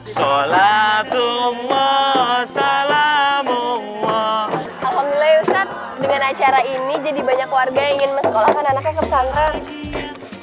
alhamdulillah ya ustaz dengan acara ini jadi banyak warga yang ingin masekolahkan anaknya ke pesantren